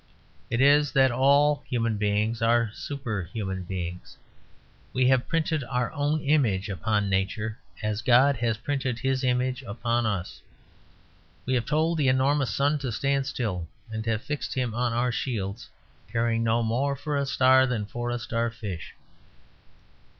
It is that all human beings are superhuman beings. We have printed our own image upon Nature, as God has printed His image upon us. We have told the enormous sun to stand still; we have fixed him on our shields, caring no more for a star than for a starfish.